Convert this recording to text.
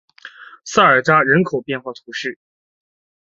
萨尔扎人口变化图示